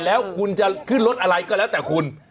แล้วคุณจะขึ้นรถอะไรก็แล้วแต่คุณ